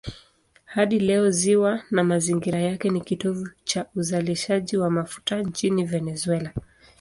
Hadi leo ziwa na mazingira yake ni kitovu cha uzalishaji wa mafuta nchini Venezuela.